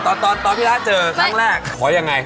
ตอนพี่ระเจอครั้งแรกขอยังไง